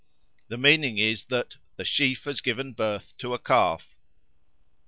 The meaning is that "the sheaf has given birth to a calf."